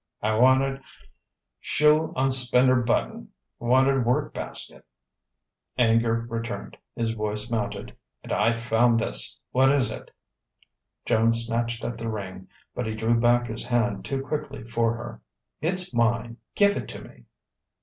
"I wanted shew on s'pender button wanted work basket...." Anger returned; his voice mounted: "And I found this! What is it?" Joan snatched at the ring, but he drew back his hand too quickly for her. "It's mine. Give it to me!"